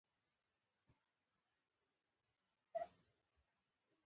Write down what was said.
آیا د مرکزي بانک پالیسي کامیابه ده؟